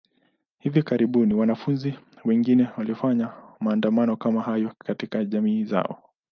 Hivi karibuni, wanafunzi wengine walifanya maandamano kama hayo katika jamii zao.